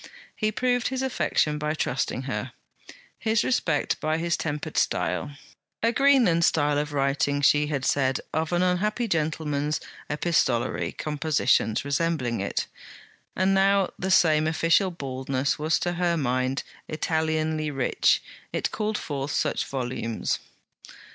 He proved his affection by trusting her; his respect by his tempered style: 'A Greenland style of writing,' she had said of an unhappy gentleman's epistolary compositions resembling it; and now the same official baldness was to her mind Italianly rich; it called forth such volumes.